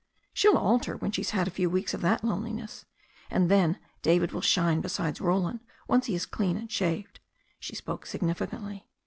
"She'll alter when she's had a few weeks of that lone liness. And then David will shine beside Roland, once he is clean and shaved." She spoke significantly.